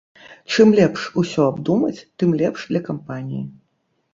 Чым лепш усё абдумаць, тым лепш для кампаніі.